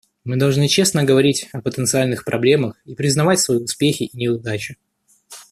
Мы должны честно говорить о потенциальных проблемах и признавать свои успехи и неудачи.